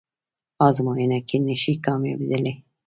ازموینه کې نشئ کامیابدلی